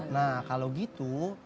nah kalau gitu